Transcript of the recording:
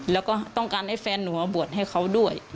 แล้วก็ต้องการให้แฟนหนูมาบวชให้เขาด้วย